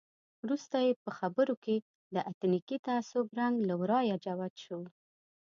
وروسته یې په خبرو کې د اتنیکي تعصب رنګ له ورایه جوت شو.